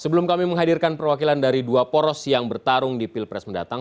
sebelum kami menghadirkan perwakilan dari dua poros yang bertarung di pilpres mendatang